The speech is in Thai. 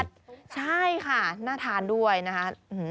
ใช่ค่ะน่าทานด้วยนะฮะ